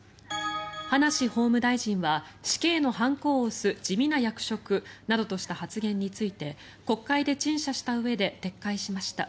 葉梨法務大臣は死刑の判子を押す地味な役職などとした発言について国会で陳謝したうえで撤回しました。